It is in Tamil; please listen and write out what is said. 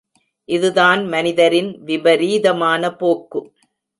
இதுதான் மனிதரின் விபரீதமான போக்கு.